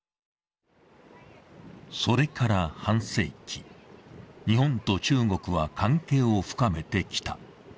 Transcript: それから半世紀、日本と中国は関係を深めてきた。